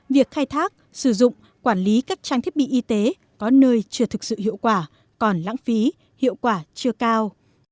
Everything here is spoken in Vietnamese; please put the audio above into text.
việc khai thác sử dụng quản lý các trang thiết bị y tế có nơi chưa thực sự hiệu quả còn lãng phí hiệu quả chưa cao